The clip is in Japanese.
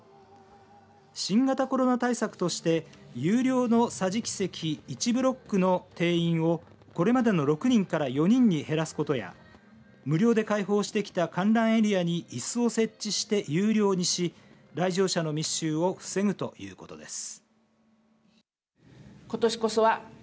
新型コロナ対策として有料の桟敷席１ブロックの定員をこれまでの６人から４人に減らすことや無料で開放してきた観覧エリアにいすを設置して有料にし来場者の密集を防ぐということです。